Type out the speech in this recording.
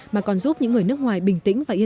mà còn giúp những người nước ngoài được xét nghiệm